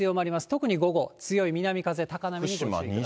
特に午後、強い南風、高波に注意してください。